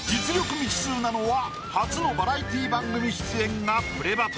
未知数なのは初のバラエティー番組出演が「プレバト‼」。